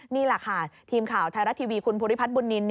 นี่แหละค่ะทีมข่าวไทยรัฐทีวีคุณภูริพัฒนบุญนิน